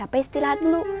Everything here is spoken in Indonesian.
kalau capek istilah dulu